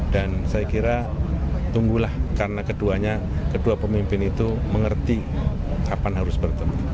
dan saya kira tunggulah karena kedua pemimpin itu mengerti kapan harus bertemu